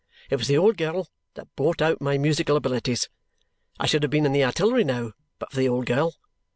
It was the old girl that brought out my musical abilities. I should have been in the artillery now but for the old girl.